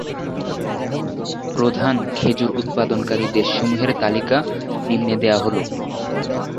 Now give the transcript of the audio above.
প্রধান খেজুর উৎপাদনকারী দেশসমূহের তালিকা নিম্নে দেয়া হলো।